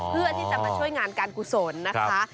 เพื่อที่จะมาช่วยงานการกุศลนะคะ